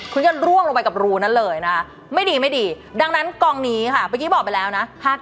คุณก็ร่วงลงไปกับรูนั้นเลยนะคะไม่ดีไม่ดีดังนั้นกองนี้ค่ะเมื่อกี้บอกไปแล้วนะ